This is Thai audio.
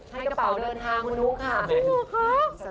ให้กระเป๋าเดินทางคุณนุ๊กค่ะ